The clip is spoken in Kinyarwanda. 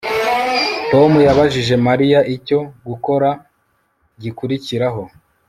Tom yabajije Mariya icyo gukora gikurikiraho